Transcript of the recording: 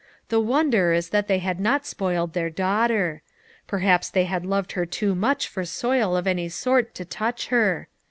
The wonder is that they had not spoiled their daughter; perhaps they had loved her too much for soil of any sort to touch her.